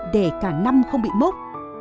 để cả năm không bị mốc